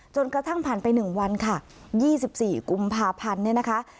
กระทั่งผ่านไป๑วันค่ะ๒๔กุมภาพันธ์เนี่ยนะคะ